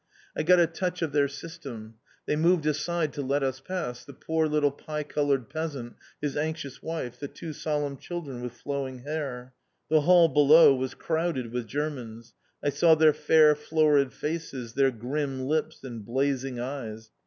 I got a touch of their system. They moved aside to let us pass, the poor little pie coloured peasant, his anxious wife, the two solemn children with flowing hair. The hall below was crowded with Germans. I saw their fair florid faces, their grim lips and blazing eyes.